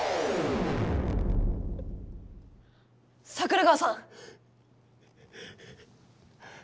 桜川さん！